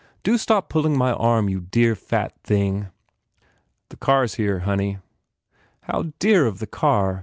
Do stop pulling my arm, you dear, fat thing!" "The car s here, honey." "How dear of the car!